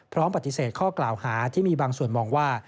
ปฏิเสธข้อกล่าวหาที่มีบางส่วนมองว่า